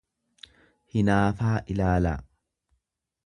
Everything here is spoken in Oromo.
hinaafaa ilaalaa.